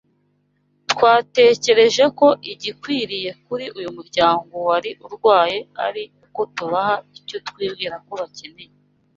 twatekereje ko igikwiriye kuri uyu muryango wari urwaye ari uko tubaha icyo twibwiraga ko bakeneye.